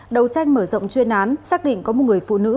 đầu tranh mở rộng chuyên án xác định có một người phụ nữ